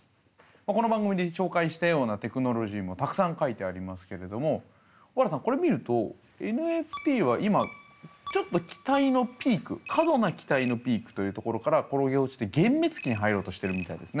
この番組で紹介したようなテクノロジーもたくさん書いてありますけれども尾原さんこれ見るとＮＦＴは今ちょっと期待のピーク「過度な期待」のピークというところから転げ落ちて幻滅期に入ろうとしているみたいですね。